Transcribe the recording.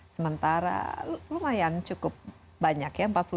sementara lumayan cukup banyak ya